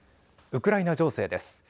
ウクライナ情勢です。